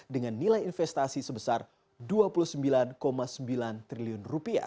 dengan nilai investasi sebesar rp dua puluh sembilan sembilan triliun